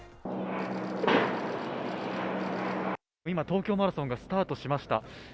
今、東京マラソンがスタートしました。